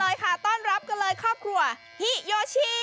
ค่ะต้อนรับกันเลยครอบครัวฮิโยชี